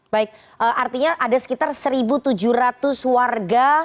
baik artinya ada sekitar satu tujuh ratus warga